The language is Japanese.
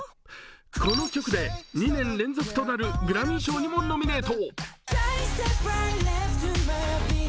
この曲で２年連続となるグラミー賞にもノミネート。